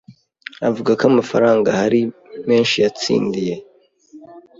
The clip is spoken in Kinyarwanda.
avuga ko amafaranga hari menshi yatsindiye